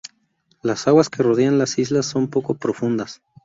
Las aguas que rodean las islas son poco profundas.